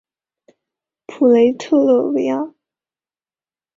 普雷特勒维尔。